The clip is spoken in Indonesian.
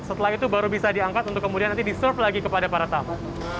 setelah itu baru bisa diangkat untuk kemudian nanti disurve lagi kepada para tamu